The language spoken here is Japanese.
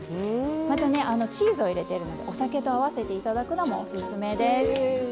またねチーズを入れているのでお酒と合わせて頂くのもオススメです。